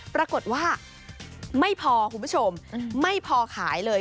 ปรากฏว่าไม่พอคุณผู้ชมไม่พอขายเลย